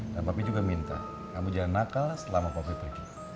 dan papi juga minta kamu jangan nakal selama papi pergi